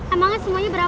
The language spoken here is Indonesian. emangnya semuanya berapa